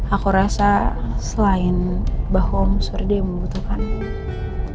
aku rasa selain bahwa om suri dia yang membutuhkanmu